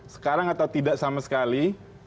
sekarang atau tidak sama sekali